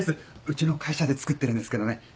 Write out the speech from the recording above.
うちの会社で作ってるんですけどね。